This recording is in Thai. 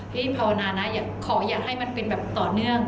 ภาวนานะขออย่าให้มันเป็นแบบต่อเนื่อง